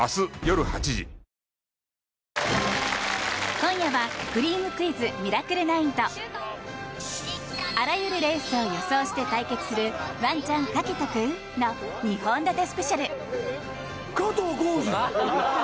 今夜は「くりぃむクイズミラクル９」とあらゆるレースを予想して対決する「＃ワンチャン賭けとくぅ？」の２本立てスペシャル。